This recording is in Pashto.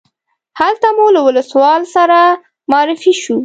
هلته مو له ولسوال سره معرفي شوو.